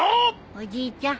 おじいちゃん